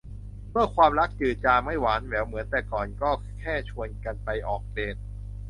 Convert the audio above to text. เมื่อความรักเริ่มจืดจางไม่หวานแหววเหมือนแต่ก่อนก็แค่ชวนกันไปออกเดต